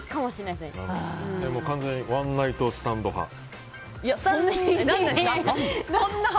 でもワンナイトスタンド派？